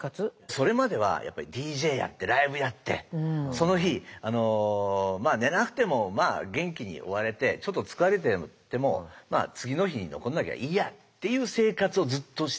それまではＤＪやってライブやってその日寝なくても元気に終われてちょっと疲れてても次の日に残んなきゃいいやっていう生活をずっとしてたんですけれども。